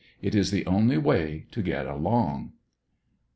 It is the only way to get along.